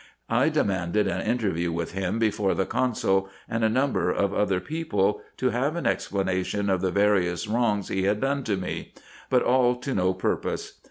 I demanded an interview with him before the consul, and a number of other people, to have an explanation of the various wrongs he had done to me ; but all to no purpose.